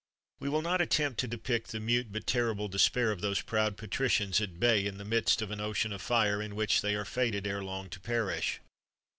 We will not attempt to depict the mute but terrible despair of those proud patricians, at bay in the midst of an ocean of fire, in which they are fated ere long to perish.